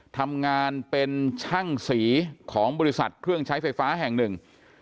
ทำงานเป็นช่างสีของบริษัทเครื่องใช้ไฟฟ้าแห่งหนึ่ง